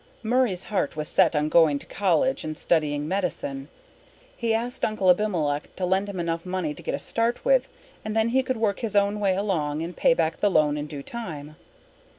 Murray's heart was set on going to college and studying medicine. He asked Uncle Abimelech to lend him enough money to get a start with and then he could work his own way along and pay back the loan in due time.